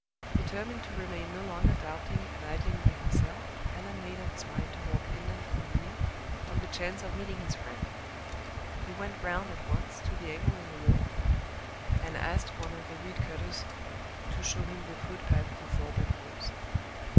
Determined to remain no longer doubting and idling by himself, Allan made up his mind to walk inland from the Mere, on the chance of meeting his friend. He went round at once to the angle in the wall, and asked one of the reedcutters to show him the footpath to Thorpe Ambrose.